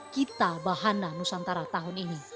kita bahana nusantara tahun ini